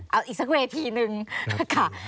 เอาอีกสักเวทีหนึ่งค่ะ